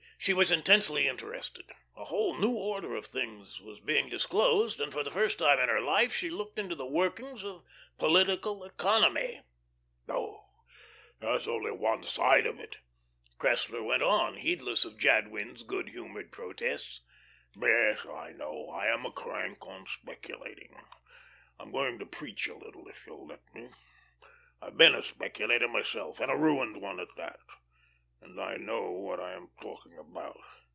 She was intensely interested. A whole new order of things was being disclosed, and for the first time in her life she looked into the workings of political economy. "Oh, that's only one side of it," Cressler went on, heedless of Jadwin's good humoured protests. "Yes, I know I am a crank on speculating. I'm going to preach a little if you'll let me. I've been a speculator myself, and a ruined one at that, and I know what I am talking about.